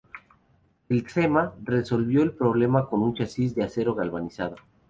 El Thema resolvió el problema con un chasis de acero galvanizado.